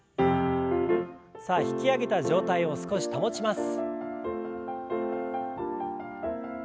さあ引き上げた状態を少し保ちます。